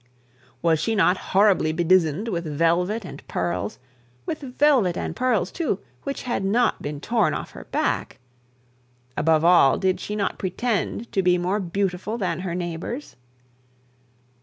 Was she not horribly bedizened with velvet and pearls, with velvet and pearls, too, which had been torn off her back? Above all, did she not pretend to be more beautiful than her neighbours?